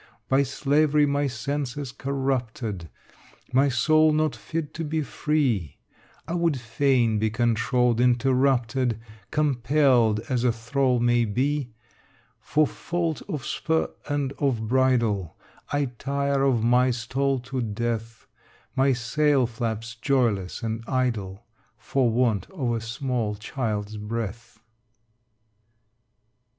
By slavery my sense is corrupted, My soul not fit to be free: I would fain be controlled, interrupted, Compelled as a thrall may be. For fault of spur and of bridle I tire of my stall to death: My sail flaps joyless and idle For want of a small child's breath.